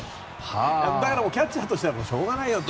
キャッチャーとしてはしょうがないよと。